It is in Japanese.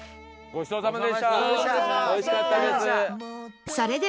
おいしかったです。